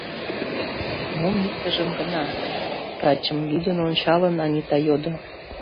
— Мом иктыжым гына? — врачым лӱдын ончалын, Анита йодо.